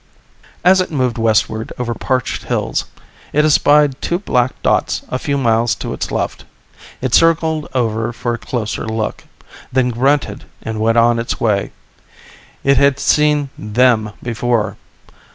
As it moved westward over parched hills, it espied two black dots a few miles to its left. It circled over for a closer look, then grunted and went on its way. It had seen them before.